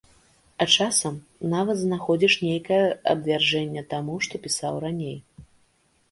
А часам нават знаходзіш нейкае абвяржэнне таму, што пісаў раней.